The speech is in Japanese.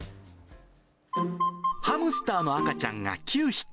ハムスターの赤ちゃんが９匹。